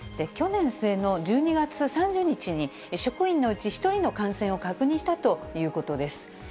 去年末の１２月３０日に、職員のうち１人の感染を確認したということです。